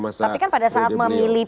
tapi kan pada saat memilih